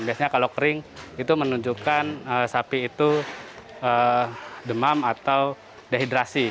biasanya kalau kering itu menunjukkan sapi itu demam atau dehidrasi